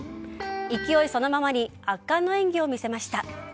勢いそのままに圧巻の演技を見せました。